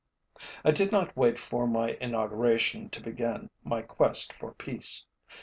I did not wait for my inauguration to begin my quest for peace.